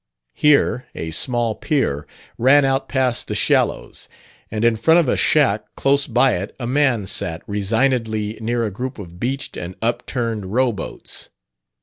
Here a small pier ran out past the shallows, and in front of a shack close by it a man sat resignedly near a group of beached and upturned row boats.